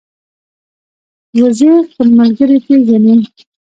وزې خپل ملګري پېژني